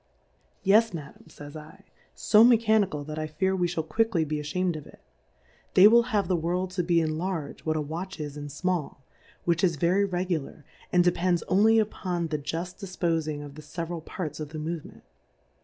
1>j, Madiim;^ [ays /, fo Mechanical, that i fear we fliall quickly be afliamM of it ; they will have the World to be in Large, what a Watch is in Small ; which is very regular, and depends only upon the juft difpofing of the feveral Parts of the Movement.